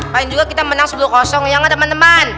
paling juga kita menang sebelum kosong ya gak teman teman